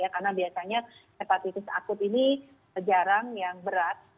karena biasanya hepatitis akut ini jarang yang berat